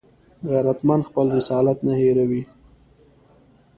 غیرتمند خپل رسالت نه هېروي